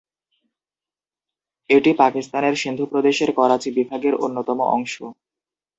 এটি পাকিস্তানের সিন্ধু প্রদেশের করাচী বিভাগের অন্যতম অংশ।